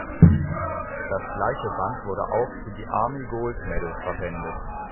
Das gleiche Band wurde auch für die Army Gold Medal verwendet.